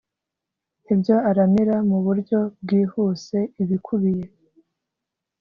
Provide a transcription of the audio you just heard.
ibyo aramira mu buryo bwihuse ibikubiye